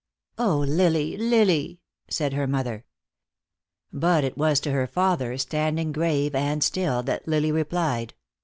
"Oh, Lily, Lily!" said her mother. But it was to her father, standing grave and still, that Lily replied.